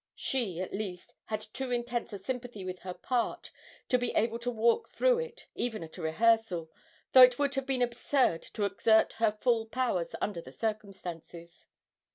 She, at least, had too intense a sympathy with her part to be able to walk through it, even at a rehearsal, though it would have been absurd to exert her full powers under the circumstances.